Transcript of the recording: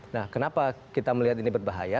nah kenapa kita melihat ini berbahaya